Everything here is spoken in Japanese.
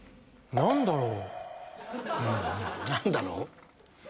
「何だろう？」。